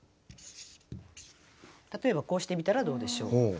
例えばこうしてみたらどうでしょう。